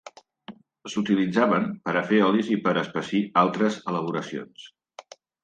S'utilitzaven per a fer olis i per a espessir altres elaboracions.